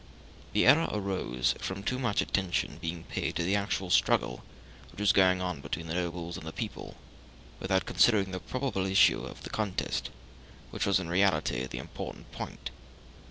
The error arose from too much attention being paid to the actual struggle which was going on between the nobles and the people, without considering the probable issue of the contest, which was in reality the important point.